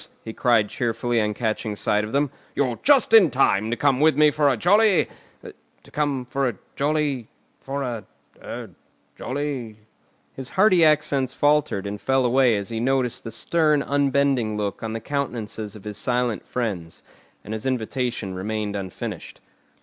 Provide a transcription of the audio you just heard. he cried cheerfully on catching sight of them. "You're just in time to come with me for a jolly—to come for a jolly—for a—er—jolly——" His hearty accents faltered and fell away as he noticed the stern unbending look on the countenances of his silent friends, and his invitation remained unfinished.